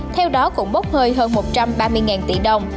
theo đó cũng bốc hơi hơn một trăm ba mươi tỷ đồng